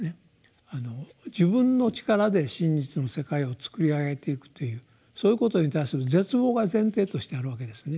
自分の力で真実の世界をつくり上げていくというそういうことに対する絶望が前提としてあるわけですね。